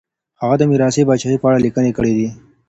هغه د ميراثي پاچاهۍ په اړه ليکنې کړي دي.